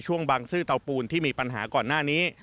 บางซื่อเตาปูนที่มีปัญหาก่อนหน้านี้